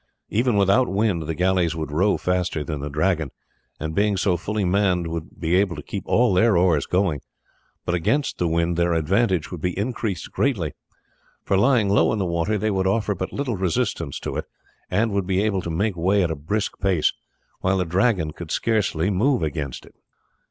Even without wind the galleys would row faster than the Dragon, and being so fully manned would be able to keep all their oars going; but against the wind their advantage would be increased greatly, for lying low in the water they would offer but little resistance to it, and would be able to make way at a brisk pace, while the Dragon could scarce move against it.